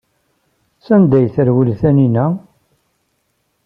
Sanda ay terwel Taninna?